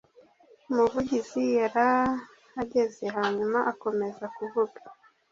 umuvugizi yarahagaze hanyuma akomeza kuvuga